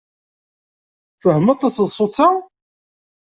Tfehmeḍ taseḍsut-a?